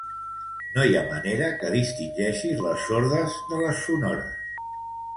No hi ha manera que distingeixis les sordes de les sonores